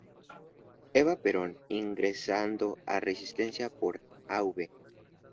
Eva Perón, ingresando a Resistencia por Av.